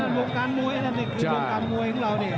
โบรการมวยโบรการมวยของเราเนี่ย